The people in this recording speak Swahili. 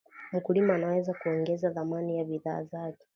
Mkulima anaweza kuongeza thamani ya bidhaa zake